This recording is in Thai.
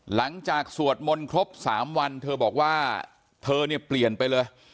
หลังจากสวดมนครบ๓วันเธอบอกว่าเธอนี่เปลี่ยนไปเลย